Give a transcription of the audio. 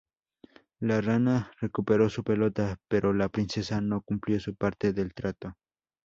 La rana recuperó su pelota, pero la princesa no cumplió su parte del trato.